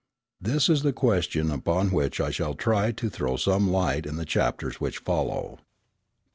This is the question upon which I shall try to throw some light in the chapters which follow.